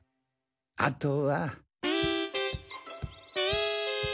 あとは。